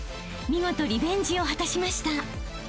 ［見事リベンジを果たしました］